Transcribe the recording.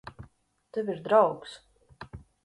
Tev ir draugs.